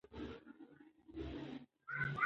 که خوند وي نو مېوه نه غلطیږي.